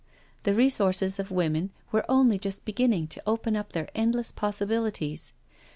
The resources of women were only just begin ning to open up their endless possibilities.